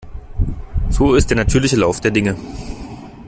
So ist der natürliche Lauf der Dinge.